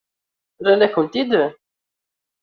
Rran-akent-t-id.